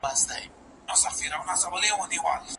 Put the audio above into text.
زوی پلار ته څه کيسه وکړه؟